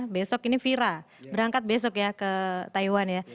besok ini vira berangkat besok ya ke taiwan ya